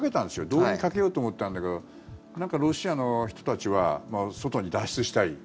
動員かけようと思ったんだけどなんかロシアの人たちは外に脱出したい。